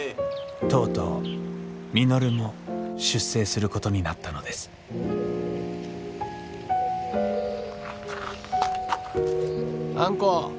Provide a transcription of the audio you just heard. とうとう稔も出征することになったのですあんこ。